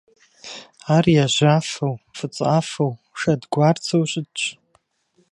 Ар яжьафэу, фӀыцӀафэу, шэдгуарцэу щытщ.